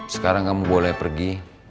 sekarang kamu boleh pergi